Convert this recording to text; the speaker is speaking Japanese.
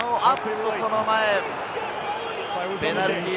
その前にペナルティーです。